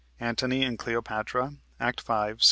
(Antony and Cleopatra, Act 5, Sc.